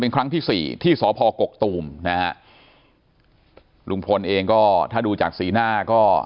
เป็นครั้งที่สี่ที่สพกกตูมนะฮะลุงพลเองก็ถ้าดูจากสีหน้าก็